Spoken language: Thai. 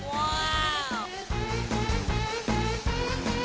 ว้าว